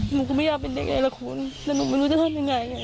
หนูก็ไม่อยากเป็นยังไงล่ะคุณแล้วหนูไม่รู้จะทำยังไง